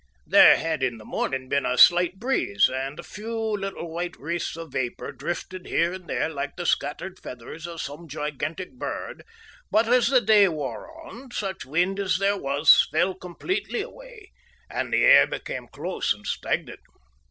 There had in the morning been a slight breeze, and a few little white wreaths of vapour drifted here and there like the scattered feathers of some gigantic bird, but, as the day wore on, such wind as there was fell completely away, and the air became close and stagnant.